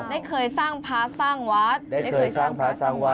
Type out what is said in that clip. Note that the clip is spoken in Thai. ไม่เคยสร้างพระสร้างวัดไม่เคยสร้างพระสร้างวัด